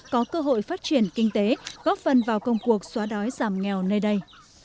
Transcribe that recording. có cơ hội phát triển kinh tế góp phần vào công cuộc xóa đói giảm nghèo nơi đây